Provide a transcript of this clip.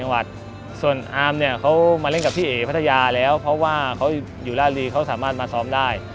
ผมก็รู้สึกว่าโอเคครับ